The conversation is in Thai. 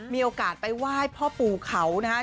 มีโอกาสไปไหว้พ่อปู่เขานะครับ